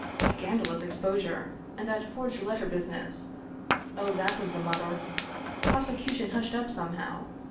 Scandalous exposure — and that forged letter business — oh, that was the mother — ^prosecution hushed up somehow.